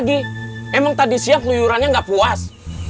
bukankah kita minta ribuan nih